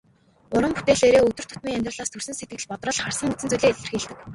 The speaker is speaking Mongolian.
Уран бүтээлээрээ өдөр тутмын амьдралаас төрсөн сэтгэгдэл, бодрол, харсан үзсэн зүйлсээ илэрхийлдэг.